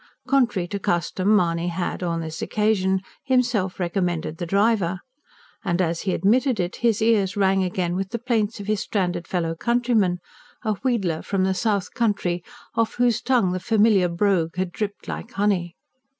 Contrary to custom Mahony had, on this occasion, himself recommended the driver. And, as he admitted it, his ears rang again with the plaints of his stranded fellow countryman, a wheedler from the South Country, off whose tongue the familiar brogue had dripped like honey.